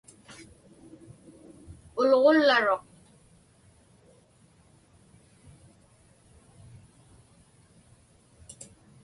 Ulġullaruq.